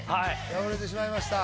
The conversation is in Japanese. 敗れてしまいました。